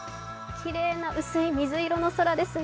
きれいな薄い水色の空ですね。